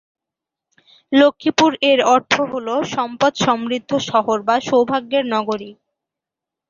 লক্ষ্মীপুর এর অর্থ হলো "সম্পদ সমৃদ্ধ শহর বা সৌভাগ্যের নগরী"।